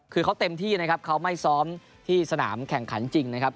คือเขาเต็มที่นะครับเขาไม่ซ้อมที่สนามแข่งขันจริงนะครับ